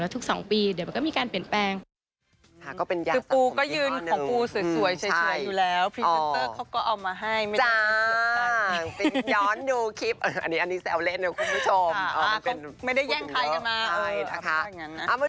ทุก๒ปีเดี๋ยวมันก็มีการเปลี่ยนแปลง